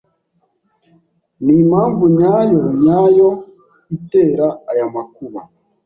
Nimpamvu nyayo nyayo itera aya makuba?